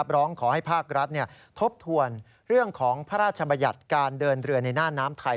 ร้องขอให้ภาครัฐทบทวนเรื่องของพระราชบัญญัติการเดินเรือในหน้าน้ำไทย